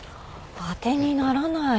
当てにならない。